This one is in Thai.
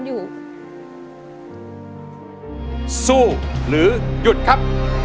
สู้หรือยุดครับ